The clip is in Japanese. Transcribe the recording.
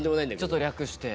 ちょっと略して。